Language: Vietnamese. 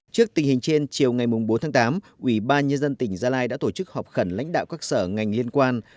trước tình hình trên chiều ngày bốn tháng tám ubnd tỉnh gia lai đã tổ chức họp khẩn lãnh đạo các sở ngành liên quan